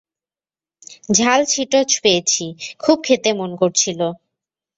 ঝাল চিটোজ পেয়েছি, খুব খেতে মন করছিল।